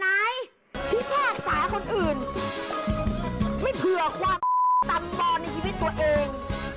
ว่าชีวิตตัวเองมันขนาดไหน